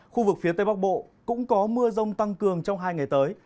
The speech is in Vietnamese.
khu vực phía tây bắc bộ cũng có mưa rông tăng cường trong hai ngày tới